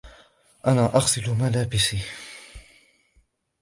أنا أغسل ملابسي.